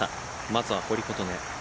まずは堀琴音。